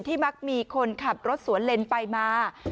มักมีคนขับรถสวนเลนไปมา